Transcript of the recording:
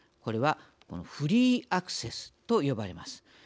これはフリーアクセスと呼ばれます。